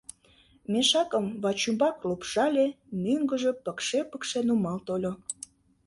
Мешакым вачӱмбак лупшале, мӧҥгыжӧ пыкше-пыкше нумал тольо.